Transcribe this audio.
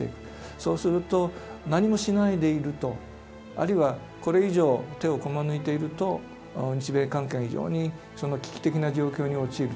そうすると何もしないでいるとあるいはこれ以上手をこまねいていると日米関係が非常に危機的な状況に陥る。